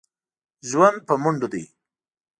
ژوند په منډو دی.